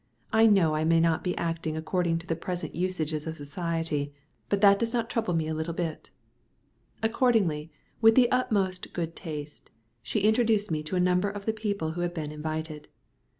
I know I may not be acting according to the present usages of society, but that does not trouble me a little bit." Accordingly, with the utmost good taste, she introduced me to a number of the people who had been invited.